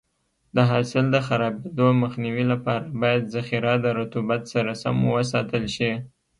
د حاصل د خرابېدو مخنیوي لپاره باید ذخیره د رطوبت سره سم وساتل شي.